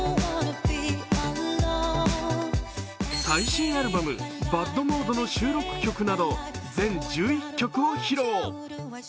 最新アルバム「ＢＡＤモード」の収録曲など全１１曲を披露。